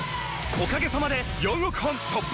おかげさまで４億本突破！